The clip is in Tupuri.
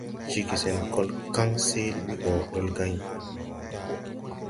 Ceege sen kol kan seele bi go dolgãy.